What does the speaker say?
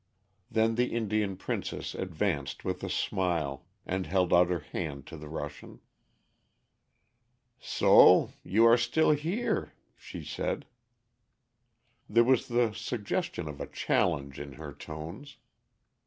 Then the Indian Princess advanced with a smile, and held out her hand to the Russian. "So you are still here!" she said. There was the suggestion of a challenge in her tones.